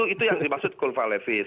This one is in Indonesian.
itu yang dimaksud kulfa levis